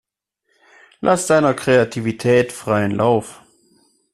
Lass deiner Kreativität freien Lauf.